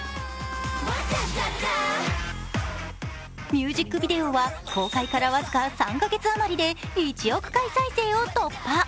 ミュージックビデオは公開から僅か３カ月あまりで１億回再生を突破。